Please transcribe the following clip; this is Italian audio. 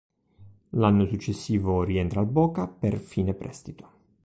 L'anno successivo rientra al Boca per fine prestito.